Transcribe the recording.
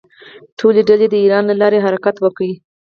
ټولې ډلې د ایران له لارې حرکت وکړ.